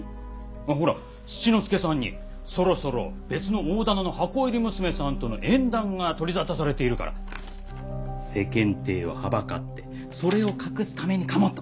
ほら七之助さんにそろそろ別の大店の箱入り娘さんとの縁談が取り沙汰されているから世間体をはばかってそれを隠すためにかもと。